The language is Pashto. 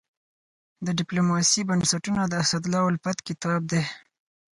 د ډيپلوماسي بنسټونه د اسدالله الفت کتاب دی.